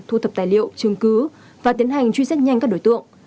thu thập tài liệu chứng cứ và tiến hành truy xét nhanh các đối tượng